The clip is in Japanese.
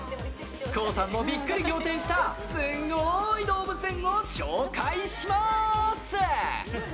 ＫＯＯさんもビックリ仰天したすごい動物園を紹介します！